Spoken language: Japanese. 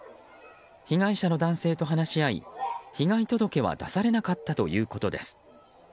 被害者の男性と話し合い被害届は出されなかったということです。